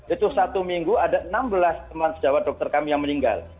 itu satu minggu ada enam belas teman sejawat dokter kami yang meninggal